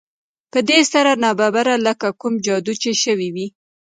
په دې سره ناببره لکه کوم جادو چې شوی وي